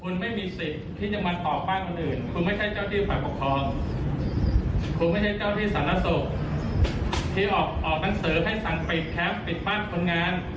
แจ้งไว้แล้วข้อหาบุกรุกและทำลายทัภวิวอื่น